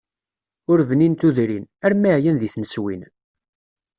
Ur bnin tudrin, armi ɛyan di tneswin.